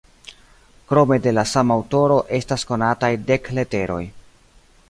Krome de la sama aŭtoro estas konataj dek leteroj.